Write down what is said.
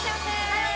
はい！